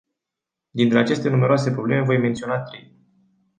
Dintre aceste numeroase probleme voi menționa trei.